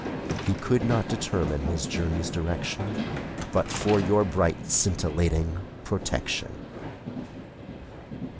He could not determine his journey's direction But for your bright scintillating protection.